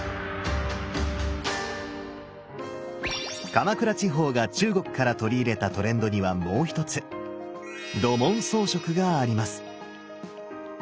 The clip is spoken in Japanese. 鎌倉地方が中国から取り入れたトレンドにはもう一つ「土紋装飾」があります。